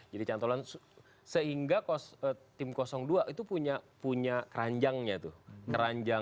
jadi cantolan sehingga tim dua itu punya keranjangnya tuh